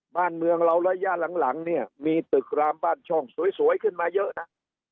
บ้านเมืองเราระยะหลังเนี่ยมีตึกรามบ้านช่องสวยขึ้นมาเยอะนะ